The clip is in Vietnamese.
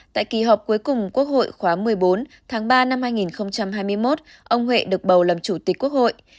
tại kỳ họp cuối cùng quốc hội khóa một mươi bốn tháng ba năm hai nghìn hai mươi một ông huệ được bầu làm chủ tịch quốc hội